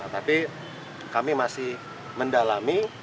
tapi kami masih mendalami